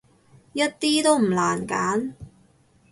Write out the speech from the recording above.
一啲都唔難揀